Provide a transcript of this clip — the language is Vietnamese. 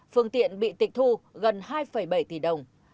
phương tiện bị tịch thu gần hai bảy tỷ đồng